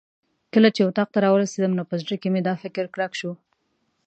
کله چې اتاق ته راورسېدم نو په زړه کې مې دا فکر کلک شو.